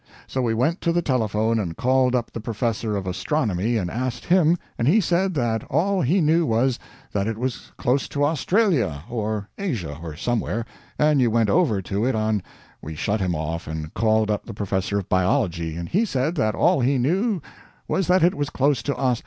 So we went to the telephone and called up the professor of astronomy and asked him, and he said that all he knew was, that it was close to Australia, or Asia, or somewhere, and you went over to it on "We shut him off and called up the professor of biology, and he said that all he knew was that it was close to Aus